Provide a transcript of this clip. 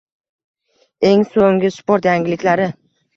Eng so‘nggi sport yangiliklari